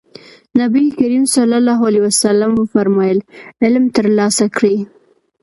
نبي کريم ص وفرمايل علم ترلاسه کړئ.